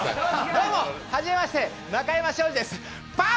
どうも、はじめまして中山しょうじです